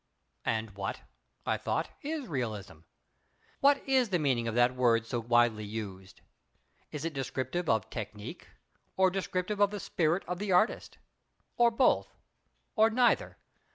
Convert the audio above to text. And what—I thought—is Realism? What is the meaning of that word so wildly used? Is it descriptive of technique, or descriptive of the spirit of the artist; or both, or neither?